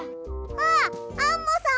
あっアンモさん！